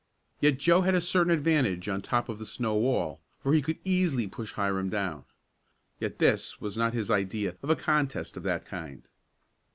Yet Joe had a certain advantage on top of the snow wall, for he could easily push Hiram down. Yet this was not his idea of a contest of that kind.